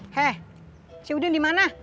hei si udin dimana